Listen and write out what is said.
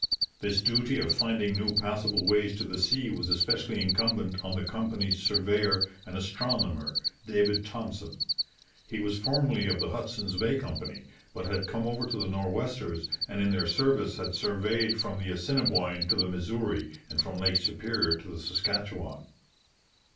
This duty of finding new passable ways to the sea was especially incumbent on the company's surveyor and astronomer, David Thompson. He was formerly of the Hudson's Bay Company, but had come over to the Nor'westers, and in their service had surveyed from the Assiniboine to the Missouri and from Lake Superior to the Saskatchewan.